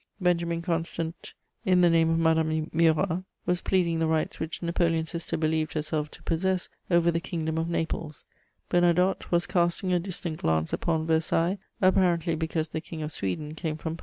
Benjamin Constantin the name of Madame Murat, was pleading the rights which Napoleon's sister believed herself to possess over the Kingdom of Naples; Bernadotte was casting a distant glance upon Versailles, apparently because the King of Sweden came from Pau.